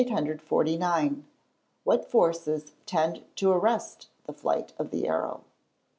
_What forces tend to arrest the flight of the arrow?